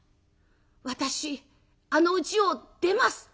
私あのうちを出ます」。